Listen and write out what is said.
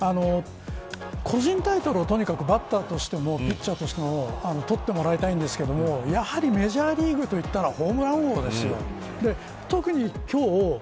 個人タイトルをとにかくバッターとしてもピッチャーとしても取ってもらたいんですけれどもやはりメジャーリーグといったらホームラン王ですよ。